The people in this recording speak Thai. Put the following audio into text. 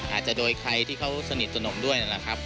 อาจจะโดยใครที่เขาสนิทสนมด้วยนะครับ